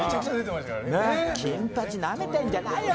金八なめてんじゃねえよ